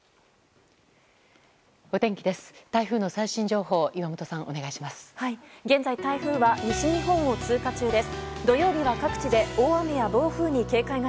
お天気です。